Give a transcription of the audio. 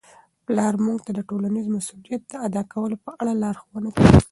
پلار موږ ته د ټولنیز مسؤلیت د ادا کولو په اړه لارښوونه کوي.